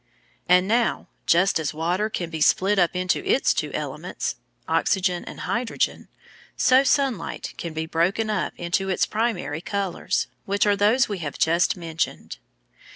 _ And now just as water can be split up into its two elements, oxygen and hydrogen, so sunlight can be broken up into its primary colours, which are those we have just mentioned.